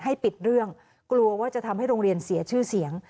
ให้ปิดเรื่องกลัวว่าจะทำให้โรงเรียนเสียชื่อเสียง